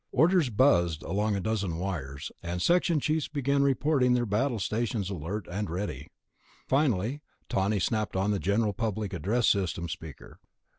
Orders buzzed along a dozen wires, and section chiefs began reporting their battle stations alert and ready. Finally Tawney snapped on the general public address system speaker.